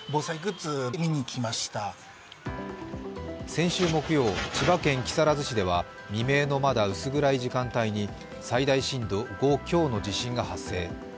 先週木曜、千葉県木更津市では未明のまだ薄暗い時間帯に最大震度５強の地震が発生。